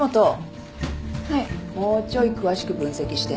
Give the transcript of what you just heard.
もうちょい詳しく分析して。